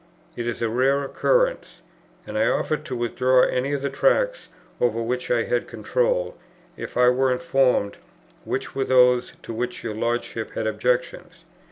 It is a rare occurrence.' And I offered to withdraw any of the Tracts over which I had control, if I were informed which were those to which your Lordship had objections.